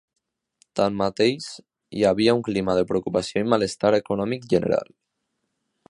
Tanmateix, hi havia un clima de preocupació i malestar econòmic general.